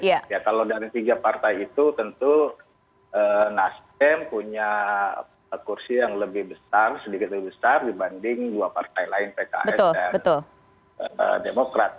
ya kalau dari tiga partai itu tentu nasdem punya kursi yang lebih besar sedikit lebih besar dibanding dua partai lain pks dan demokrat